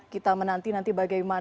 kita menanti nanti bagaimana